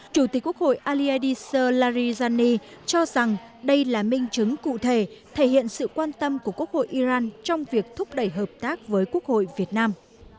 chủ tịch quốc hội aliser larijani cho rằng đây là minh chứng cụ thể thể hiện sự quan tâm của quốc hội iran trong việc thúc đẩy hợp tác với quốc hội việt nam